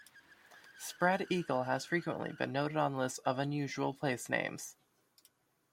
Spread Eagle has frequently been noted on lists of unusual place names.